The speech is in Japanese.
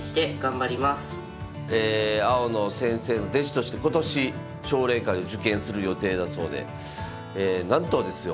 え青野先生の弟子として今年奨励会を受験する予定だそうでなんとですよ